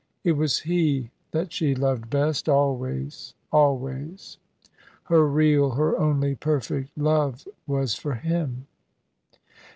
It was he that she loved best, always, always. Her real, her only perfect love was for him."